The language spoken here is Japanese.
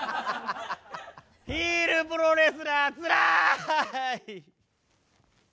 ヒールプロレスラーつらい！